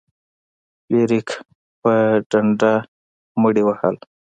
فلیریک په ډنډه مړي وهل.